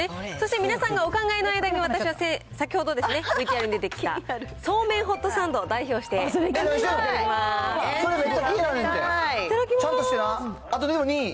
そして皆さんがお考えの間に、私は先ほどですね、ＶＴＲに出てきたそうめんホットサンドを代表して、それめっちゃ気になるねんていただきます。